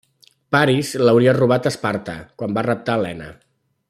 Paris l'hauria robat a Esparta quan va raptar Helena.